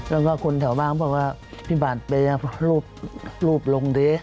แล้วก็คนแถวบ้างบอกว่าพี่บัตรไปรูปลงดิ